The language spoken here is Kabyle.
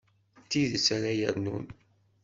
D tidet ara yernun.